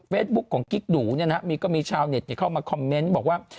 ของกิ๊กดูมีก็มีชาวเน็ตเข้ามาคอมเมนต์บอกว่า